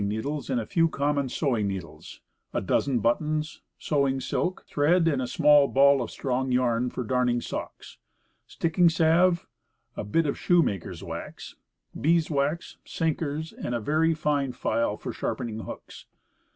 i J needles and a few common sewing needles; a dozen buttons; sewing silk; thread, and a small ball of strong yarn for darning socks; sticking salve; a bit of shoe maker's wax; beeswax; sinkers, and a very fine file for sharpening hooks.